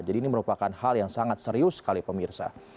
jadi ini merupakan hal yang sangat serius sekali pemirsa